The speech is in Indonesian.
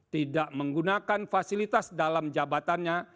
tidak menggunakan fasilitas dalam jabatannya